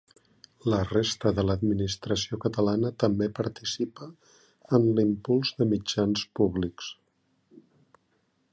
La resta de l'Administració catalana també participa en l'impuls de mitjans públics.